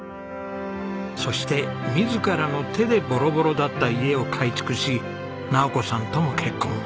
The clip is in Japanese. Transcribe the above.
そして自らの手でボロボロだった家を改築し尚子さんとも結婚。